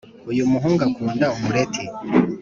uyu muhungu akunda umureti